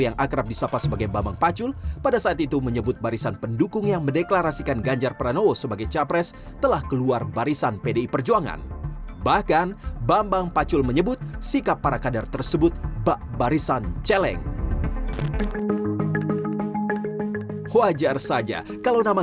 gajah beranawa presiden beranawa